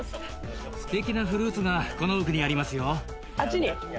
すてきなフルーツがこの奥にあっちに？